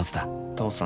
父さん